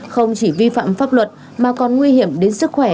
không chỉ vi phạm pháp luật mà còn nguy hiểm đến sức khỏe